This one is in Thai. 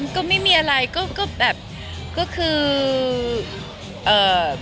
ก็ไม่มีอะไรก็แบบก็คือ